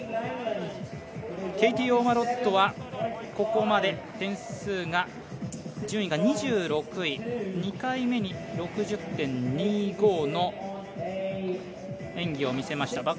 ケイティ・オーマロッドはここまで順位が２６位、２回目に６０．２５の演技を見せました